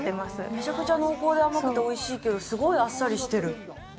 めちゃくちゃ濃厚で甘くておいしいけどすごいあっさりしてる。